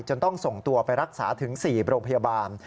ต้องส่งตัวไปรักษาถึง๔โรงพยาบาล